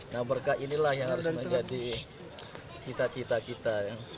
nah berkah inilah yang harus menjadi cita cita kita